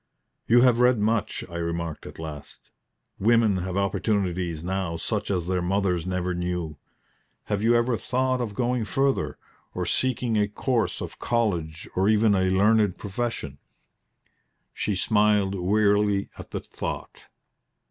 "You have read much," I remarked at last. "Women have opportunities now such as their mothers never knew. Have you ever thought of going further or seeking a course of college or even a learned profession?" She smiled wearily at the thought.